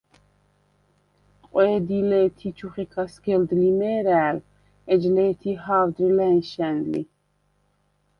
ყვე̄დი ლე̄თ ი ჩუხიქა სგელდ ლიმე̄რა̄̈ლ ეჯ ლე̄თი ჰა̄ვდრი ლა̈ნშა̈ნ ლი.